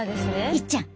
いっちゃん